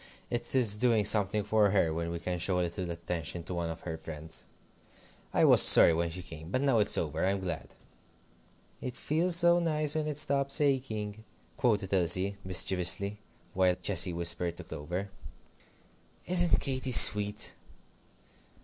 It is doing something for her when we can show a little attention to one of her friends. I was sorry when she came, but now it's over, I'm glad." "It feels so nice when it stops aching," quoted Elsie, mischievously, while Cecy whispered to Clover. "Isn't Katy sweet?"